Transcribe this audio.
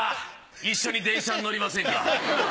一緒に電車に乗りませんか？